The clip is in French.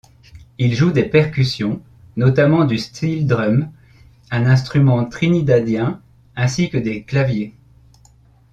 Il joue des percussions, notamment du steel-drum, un instrument trinidadien, ainsi que des claviers.